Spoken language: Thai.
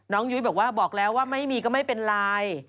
ยุ้ยบอกว่าบอกแล้วว่าไม่มีก็ไม่เป็นไร